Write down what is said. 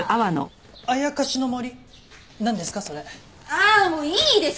ああもういいです！